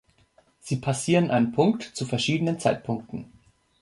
Sie passieren einen Punkt zu verschiedenen Zeitpunkten.